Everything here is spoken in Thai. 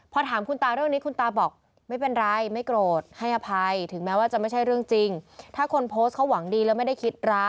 พอถามคุณตาเรื่องนี้